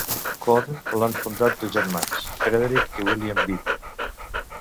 Quorn l'han fundat dos germans, Frederick i William B.